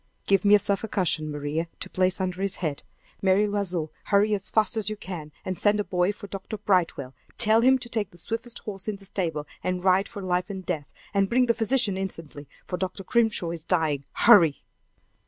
"Give me a sofa cushion, Maria, to place under his head. Mary L'Oiseau, hurry as fast as you can, and send a boy for Dr. Brightwell; tell him to take the swiftest horse in the stable, and ride for life and death, and bring the physician instantly, for Dr. Grimshaw is dying! Hurry!"